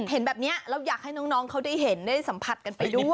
เห็นแบบนี้แล้วอยากให้น้องเขาได้เห็นได้สัมผัสกันไปด้วย